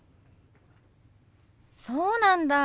そうなんだ。